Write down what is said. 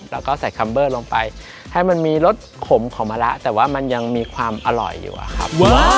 แล้วก็ใส่คัมเบอร์ลงไปให้มันมีรสขมของมะละแต่ว่ามันยังมีความอร่อยอยู่อะครับ